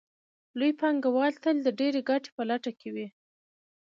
لوی پانګوال تل د ډېرې ګټې په لټه کې وي